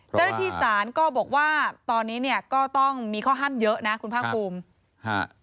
เจ้าหน้าที่ศาลก็บอกว่าตอนนี้เนี่ยก็ต้องมีข้อห้ามเยอะนะคุณภาคภูมิฮะ